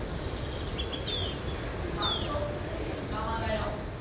やっと制限緩和だよ。